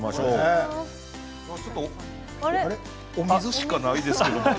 お水しかないですけれど。